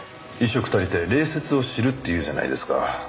「衣食足りて礼節を知る」って言うじゃないですか。